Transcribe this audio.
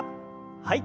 はい。